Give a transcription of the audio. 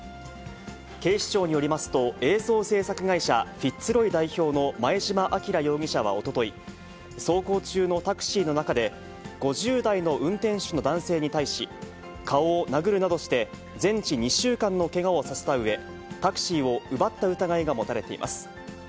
警視庁によりますと、映像制作会社、フィッツ・ロイ代表の前嶋輝容疑者はおととい、走行中のタクシーの中で、５０代の運転手の男性に対し、顔を殴るなどして、全治２週間のけがをさせたうえ、タクシーを奪った疑いが持たれています。